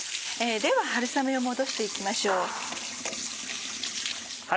では春雨を戻して行きましょう。